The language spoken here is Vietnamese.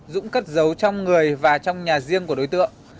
dũng cất giấu trong người và trong nhà riêng của đối tượng